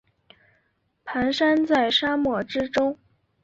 蹒跚在沙漠之中